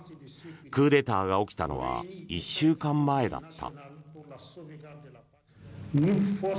クーデターが起きたのは１週間前だった。